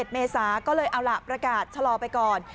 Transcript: เมษาก็เลยเอาล่ะประกาศชะลอไปก่อน